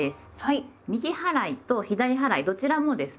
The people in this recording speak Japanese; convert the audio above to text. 右払いと左払いどちらもですね